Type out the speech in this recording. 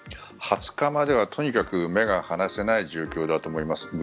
２０日まではとにかく目が離せない状況だと思います。